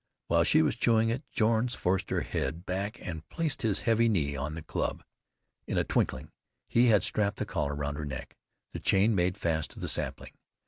While she was chewing it Jones forced her head back and placed his heavy knee on the club. In a twinkling he had strapped the collar round her neck. The chain he made fast to the sapling.